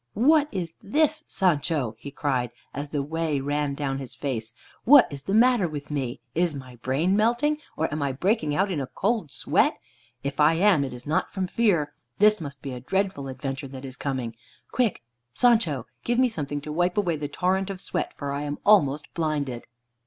"What is this, Sancho?" he cried, as the whey ran down his face. "What is the matter with me? Is my brain melting, or am I breaking out in a cold sweat? If I am, it is not from fear. This must be a dreadful adventure that is coming. Quick. Sancho! give me something to wipe away the torrent of sweat, for I am almost blinded."